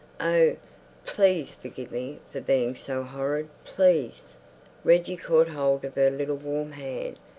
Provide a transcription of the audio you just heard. Oh, please forgive me for being so horrid, please!" Reggie caught hold of her little warm hand.